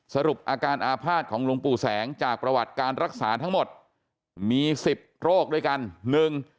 สรุปอาการอาภาษณ์ของหลวงปู่แสงจากประวัติการรักษาทั้งหมดมีสิบโรคด้วยกันหนึ่ง